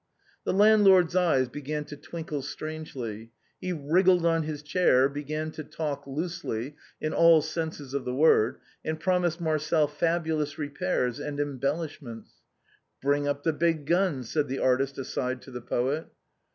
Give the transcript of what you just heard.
The landlord's eyes began to twinkle strangely. He wriggled on his chair, began to talk loosely, in all senses of the word, and promised Marcel fabulous repairs and em bellishments. "Bring up the big guns," said the artist aside to the poet.